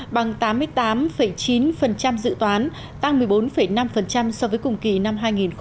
bằng tám mươi tám chín dự toán tăng một mươi bốn năm so với cùng kỳ năm hai nghìn một mươi tám